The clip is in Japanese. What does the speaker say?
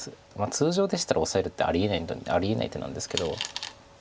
通常でしたらオサえるってありえない手なんですけど。